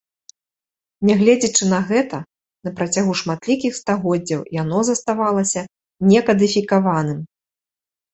Нягледзячы на гэта, на працягу шматлікіх стагоддзяў яно заставалася не кадыфікаваным.